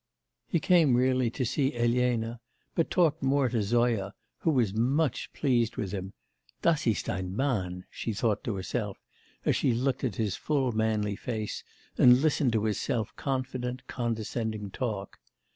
He came really to see Elena, but talked more to Zoya, who was much pleased with him. 'Das ist ein Mann!' she thought to herself, as she looked at his full manly face and listened to his self confident, condescending talk.